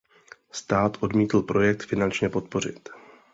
Stát odmítl projekt finančně podpořit.